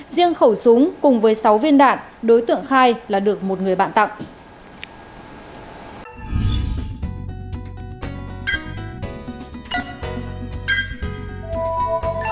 riêng khẩu súng cùng với sáu viên đạn đối tượng khai là được một người bạn tặng